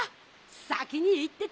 さきにいってて！